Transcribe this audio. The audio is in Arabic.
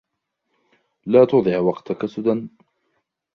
لا تضع وقتك سدی